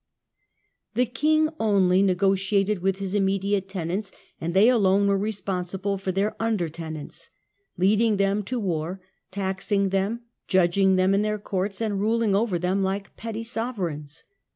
The 40 THE CENTRAL PERIOD OF THE MIDDLE AGE king only negotiated with his immediate tenants, and they alone were responsible for their under tenants, lead ing them to war, taxing them, judging them in their courts and ruling over them like petty sovereigns.